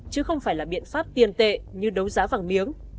chứ không phải là biện pháp tiền tệ như đấu giá vàng miếng